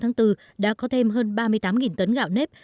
tháng bốn đã có thêm hơn ba mươi tám tấn gạo nếp